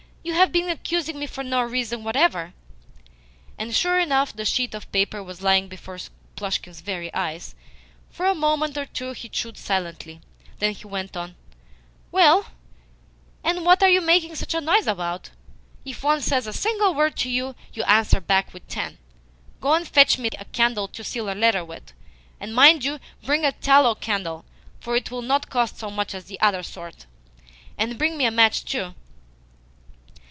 You have been accusing me for no reason whatever!" And, sure enough, the sheet of paper was lying before Plushkin's very eyes. For a moment or two he chewed silently. Then he went on: "Well, and what are you making such a noise about? If one says a single word to you, you answer back with ten. Go and fetch me a candle to seal a letter with. And mind you bring a TALLOW candle, for it will not cost so much as the other sort. And bring me a match too."